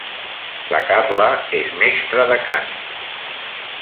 La Carla és mestra de cant.